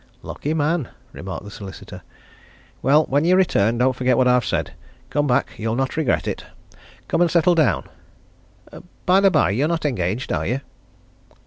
"Lucky man!" remarked the solicitor. "Well, when you return, don't forget what I've said. Come back! you'll not regret it. Come and settle down. Bye the bye, you're not engaged, are you?"